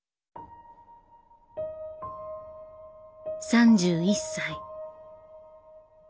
３１歳。